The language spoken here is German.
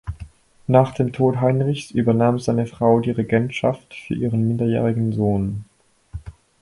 Nach dem Tod Heinrichs übernahm seine Frau die Regentschaft für ihren minderjährigen Sohn.